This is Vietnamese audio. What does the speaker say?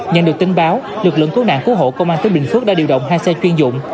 nhận được tin báo lực lượng cứu nạn cứu hộ công an tỉnh bình phước đã điều động hai xe chuyên dụng